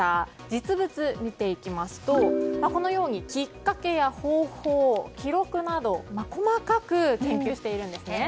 実物、見ていきますとこのようにきっかけや方法、記録など細かく研究しているんですね。